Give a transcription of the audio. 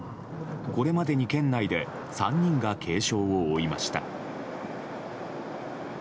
これまでに県内で３人が軽傷を負いました。